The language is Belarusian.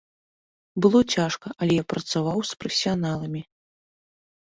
Было цяжка, але я працаваў з прафесіяналамі.